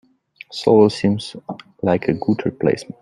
Solar seems like a good replacement.